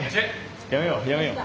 やめようやめよう。